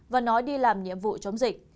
và nói đi làm nhiệm vụ chống dịch